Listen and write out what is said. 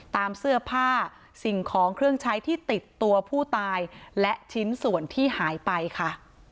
ตามเสื้อผ้าสิ่งของเครื่องใช้ที่ติดตัวผู้ตายและชิ้นส่วนที่หายไปค่ะ